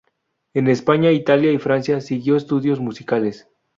En España, Italia y Francia siguió estudios musicales.